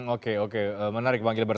oke oke menarik bang gilbert